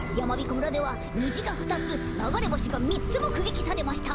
村ではにじがふたつながれぼしがみっつもくげきされました！